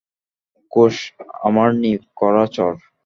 কুশ, আমার নিয়োগ করা চর!